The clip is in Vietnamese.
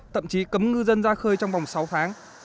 thậm chí cấm ngư dân ra khơi trong vòng sáu tháng